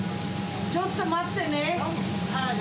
ちょっと待ってねー。